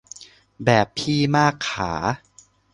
แบบพี่มากขา